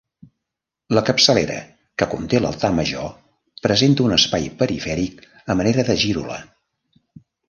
La capçalera, que conté l'altar major, presenta un espai perifèric a manera de girola.